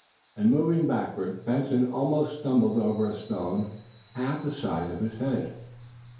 In moving backward Benson almost stumbled over a stone half the size of his head.